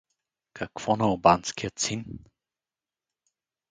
Какво налбантският син!